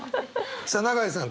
さあ永井さん